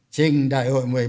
trình đại hội một mươi ba